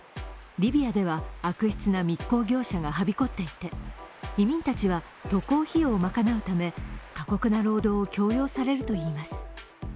リビアでは悪質な密航業者がはびこっていて、移民たちは渡航費用を賄うため過酷な労働を強要されるといいます。